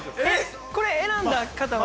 これ選んだ方は。